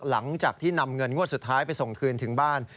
หลังจากที่นำเงินงวดสุดท้ายไปส่งคืนถึงบ้าน